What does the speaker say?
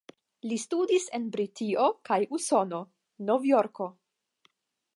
Li studis en Britio kaj Usono (Novjorko).